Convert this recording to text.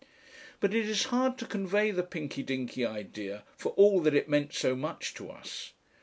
But it is hard to convey the Pinky Dinky idea, for all that it meant so much to us.